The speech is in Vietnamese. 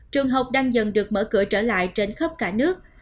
trường học đang dần được mở cửa trở lại trên khắp cả nước